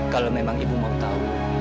kalau memang ibu mau tahu